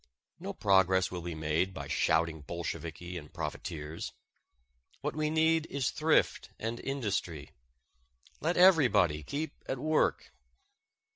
No progress will be made by shouting Bolsheviki and profiteers. What we need is thrift and industry. Let everybody keep at work.